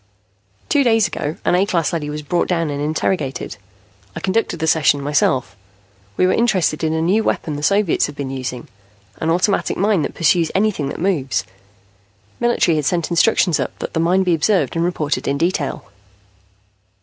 "Two days ago, an A class leady was brought down and interrogated. I conducted the session myself. We were interested in a new weapon the Soviets have been using, an automatic mine that pursues anything that moves. Military had sent instructions up that the mine be observed and reported in detail.